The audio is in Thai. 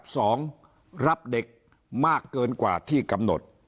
สองรับเด็กมากเกินกว่าที่กำหนด